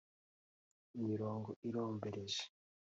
imirongo irombereje